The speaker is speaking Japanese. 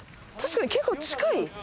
確かに結構近い？